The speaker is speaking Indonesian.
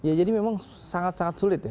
ya jadi memang sangat sangat sulit ya